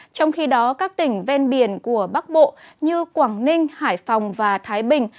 trong khi đó các tỉnh ven biển của bắc bộ như quảng ninh hải phòng và thái bình